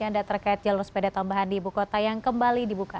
anda terkait jalur sepeda tambahan di ibu kota yang kembali dibuka